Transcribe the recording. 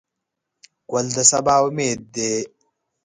ګل د سبا امید دی.